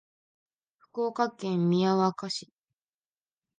福岡県宮若市